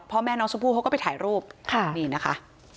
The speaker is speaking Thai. พ่อแม่น้องชมพู่เขาก็ไปถ่ายรูปค่ะนี่นะคะ